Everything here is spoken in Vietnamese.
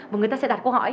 và người ta sẽ đặt câu hỏi